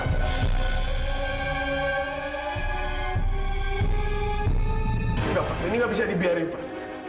enggak fan ini gak bisa dibiarin fan